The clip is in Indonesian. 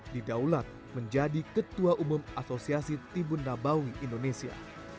didaulat menjadi ketua umum asosiasi tibun nabawi indonesia